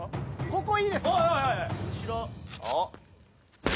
ここいいです。ＯＫ！